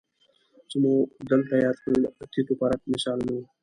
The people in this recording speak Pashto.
څه مو دلته یاد کړل تیت و پرک مثالونه وو